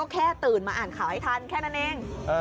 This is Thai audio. แค่ตื่นมาอ่านข่าวให้ทันแค่นั้นเอง